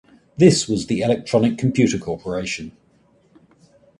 This was the Electronic Computer Corporation.